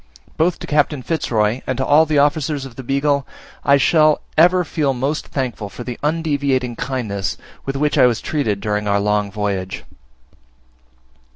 Both to Captain Fitz Roy and to all the Officers of the Beagle I shall ever feel most thankful for the undeviating kindness with which I was treated during our long voyage.